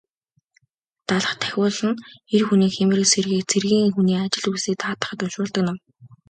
Далха тахиулах нь эр хүний хийморийг сэргээх, цэргийн хүний ажил үйлсийг даатгахад уншуулдаг ном.